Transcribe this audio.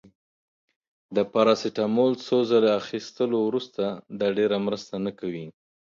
د پاراسټامول څو ځله اخیستلو وروسته، دا ډیره مرسته نه کوي.